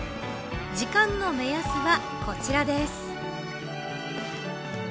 時間の目安はこちらです。